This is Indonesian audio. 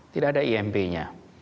tidak ada imb nya